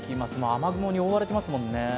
雨雲に覆われていますね。